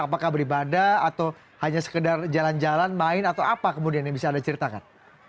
apakah beribadah atau hanya sekedar jalan jalan main atau apa kemudian yang bisa anda ceritakan